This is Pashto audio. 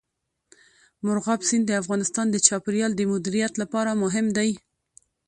مورغاب سیند د افغانستان د چاپیریال د مدیریت لپاره مهم دی.